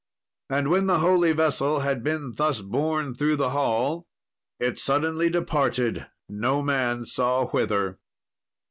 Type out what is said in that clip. And when the holy vessel had been thus borne through the hall, it suddenly departed, no man saw whither.